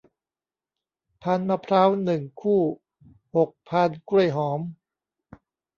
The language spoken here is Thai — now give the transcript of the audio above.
พานมะพร้าว หนึ่ง คู่ หก พานกล้วยหอม